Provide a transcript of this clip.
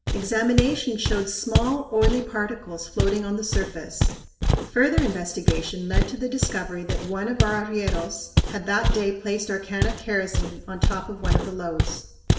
Examination showed small, oily particles floating on the surface. Further investigation led to the discovery that one of our arrieros had that day placed our can of kerosene on top of one of the loads.